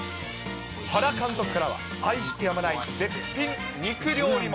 原監督からは、愛してやまない絶品肉料理も。